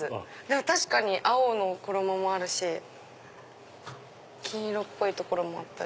確かに青の衣もあるし金色っぽい所もあったり。